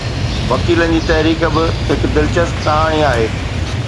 وڪيلن جي تحريڪ به هڪ دلچسپ ڪهاڻي آهي.